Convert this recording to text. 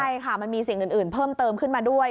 ใช่ค่ะมันมีสิ่งอื่นเพิ่มเติมขึ้นมาด้วย